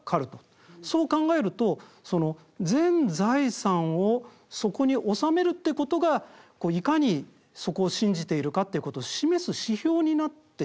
そう考えると全財産をそこに納めるってことがいかにそこを信じているかということを示す指標になってしまっている。